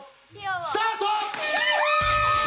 スタート！